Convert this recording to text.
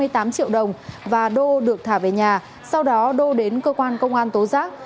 tám triệu đồng và đô được thả về nhà sau đó đô đến cơ quan công an tố giác